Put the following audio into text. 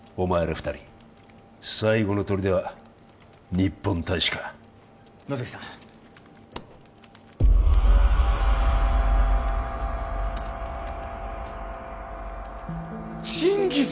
二人最後のとりでは日本大使か野崎さんチンギス！？